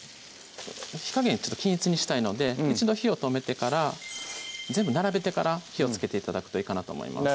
火加減均一にしたいので一度火を止めてから全部並べてから火をつけて頂くといいかなと思います